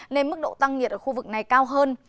nên mức độ tăng nhiệt ở khu vực này cao hơn